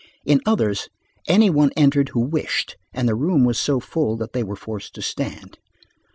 In others, any one entered who wished, and the room was so full that they were forced to stand.